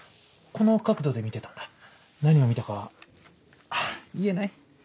この角度で見てたんだ何を見たかは言えない！